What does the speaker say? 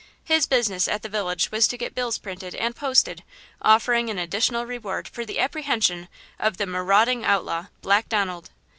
His business at the village was to get bills printed and posted offering an additional reward for the apprehension of "the marauding outlaw, Black Donald."